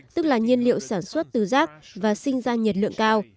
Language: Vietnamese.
tức là nhiên liệu sản xuất từ rác và sinh ra nhiệt lượng cao